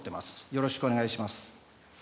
よろしくお願いします。